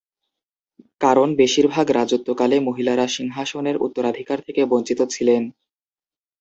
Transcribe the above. কারণ বেশিরভাগ রাজত্বকালে মহিলারা সিংহাসনের উত্তরাধিকার থেকে বঞ্চিত ছিলেন।